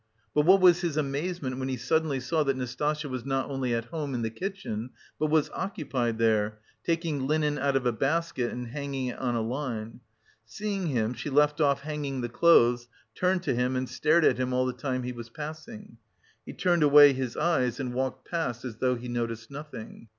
But what was his amazement when he suddenly saw that Nastasya was not only at home in the kitchen, but was occupied there, taking linen out of a basket and hanging it on a line. Seeing him, she left off hanging the clothes, turned to him and stared at him all the time he was passing. He turned away his eyes, and walked past as though he noticed nothing.